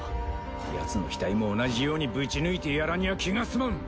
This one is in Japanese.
ヤツの額も同じようにぶち抜いてやらにゃあ気が済まん。